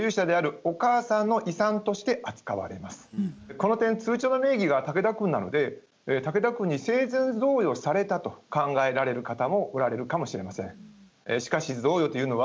この点通帳の名義が竹田くんなので竹田くんに生前贈与されたと考えられる方もおられるかもしれません。